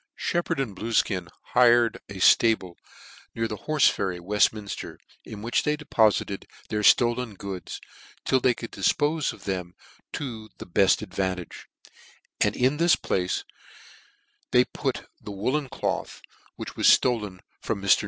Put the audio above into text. Sheppard and Bluefkin hired a flable near the Horfe Ferry, Weftminfter, in which they depo fited their ftolen goods, till they could difpofe of them to the belt advantage ; and in this place they put the woollen cloth which was flolen from NIr.